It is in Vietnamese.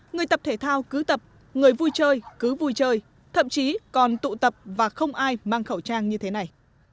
người tập thể thao cứ tập người vui chơi cứ vui chơi thậm chí còn tụ tập và không ai mang khẩu trang như thế này